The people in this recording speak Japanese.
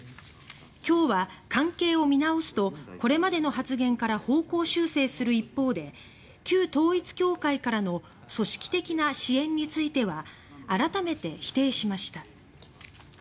今日は関係を見直すとこれまでの発言から方向修正する一方で旧統一教会からの組織的な支援については改めて否定しました。